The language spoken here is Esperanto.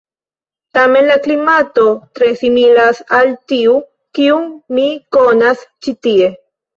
Tamen la klimato tre similas al tiu, kiun mi konas ĉi tie.